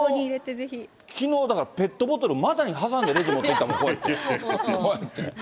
きのうだから、別途ボトル、股に挟んでレジ持っていったもん、こうやって。